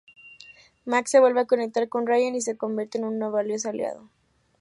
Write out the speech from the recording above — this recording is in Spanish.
Max se vuelve a conectar con Ryan y se convierte en un valioso aliado.